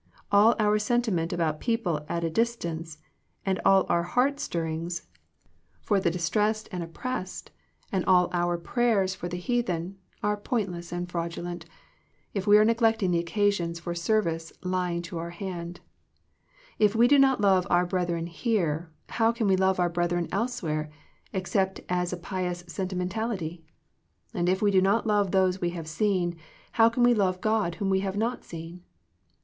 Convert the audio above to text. All our sentiment about people at a distance, and our heart stirrings for the distressed 53 Digitized by VjOOQIC THE CULTURE OF FRIENDSHIP and oppressed, and our prayers for the heathen, are pointless and fraudulent, if we are neglecting the occasions for serv ice lying to our hand. If we do not love our brethren here, how can we love our brethren elsewhere, except as a pious sentimentality ? And if we do not love those we have seen, how can we love God whom we have not seen